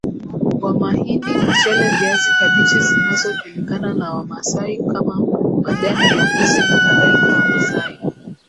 wa mahindi mchele viazi kabichi zinazojulikana na Wamasai kama majani ya mbuzi nakadhalika Wamasai